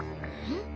ん？